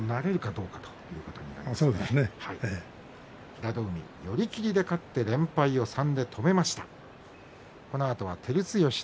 平戸海、寄り切りで勝って連敗を３で止めました。